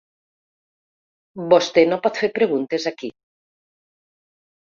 Vostè no pot fer preguntes aquí.